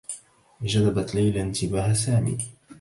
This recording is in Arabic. جذبت ليلى انتباه سامي.